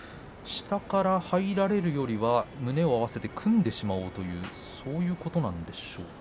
下から入られるよりは胸を合わせて組んでしまうというそういうことなんでしょうか。